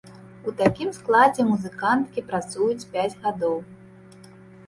У такім складзе музыканткі працуюць пяць гадоў.